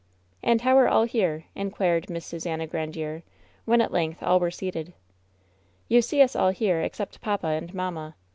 "And how are all here?'' inquired Miss Susannah Grandiere, when at length all were seated. "You see us all here except papa and mamma.